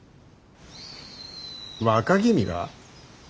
若君が？